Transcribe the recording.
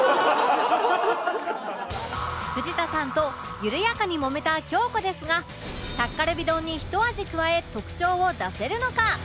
藤田さんと緩やかに揉めた京子ですがタッカルビ丼にひと味加え特徴を出せるのか？